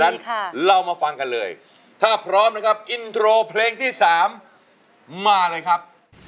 นั้นค่ะเรามาฟังกันเลยถ้าพร้อมนะครับอินโทรเพลงที่สามมาเลยครับ